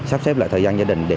sắp xếp lại thời gian gia đình